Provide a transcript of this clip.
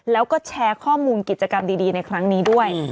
แล้วก็แชร์ข้อมูลกิจกรรมดีในครั้งนี้ด้วย